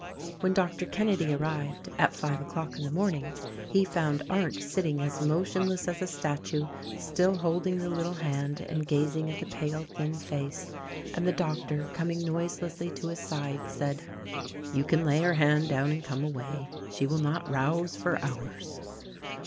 When Doctor Kenedy arrived — at five o'clock in the morning — he found Arndt sitting as motionless as a statue, still holding the little hand and gazing at the pale, thin face ; and the doctor — coming noiselessly to his side — said : "You can lay her hand down and come away. She will not rouse for hours."